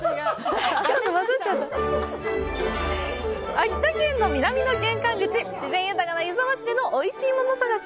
秋田県の南の玄関口、自然豊かな湯沢市でのおいしいもの探し。